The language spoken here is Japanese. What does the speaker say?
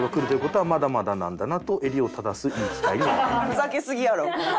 ふざけすぎやろ。